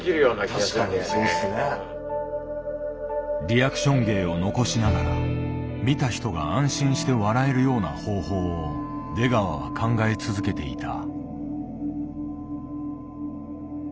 リアクション芸を残しながら見た人が安心して笑えるような方法を出川は考え続けていた。